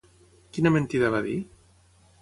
Quina mentida va dir?